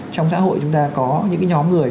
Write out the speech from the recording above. trong xã hội chúng ta có những nhóm người